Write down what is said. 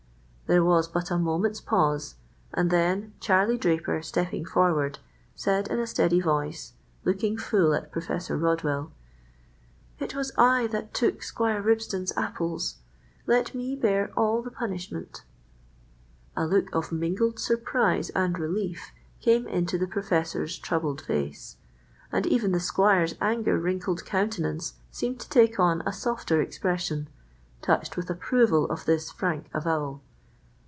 There was but a moment's pause, and then Charlie Draper, stepping forward, said in a steady voice, looking full at Professor Rodwell,— "It was I that took Squire Ribston's apples. Let me bear all the punishment." A look of mingled surprise and relief came into the professor's troubled face, and even the squire's anger wrinkled countenance seemed to take on a softer expression, touched with approval of this frank avowal.